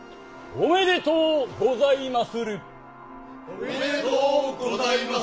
おめでとうございまする。